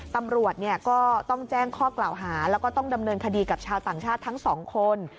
ตำรวจก็ต้องแจ้งข้อกล่าวหาแล้วก็ต้องดำเนินคดีกับชาวต่างชาติทั้งสองคน